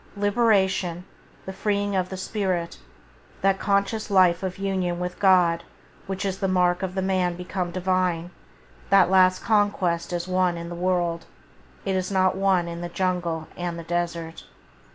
Liberation, the freeing of the spirit, that conscious life of union with God which is the mark of the man become Divine, that last conquest is won in the world, it is not won in the jungle and the desert.